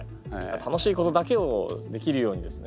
楽しいことだけをできるようにですね